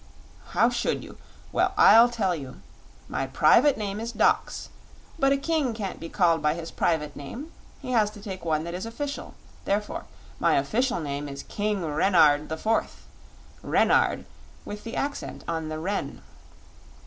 "How should you? Well, I'll tell you. My private name is Dox, but a King can't be called by his private name; he has to take one that is official. Therefore my official name is King Renard the Fourth. Ren ard with the accent on the 'Ren'."